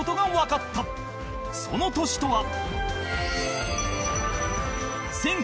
その年とは